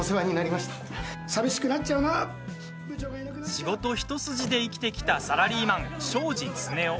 仕事一筋で生きてきたサラリーマン、庄司常雄。